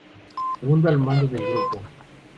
Segundo al mando del grupo.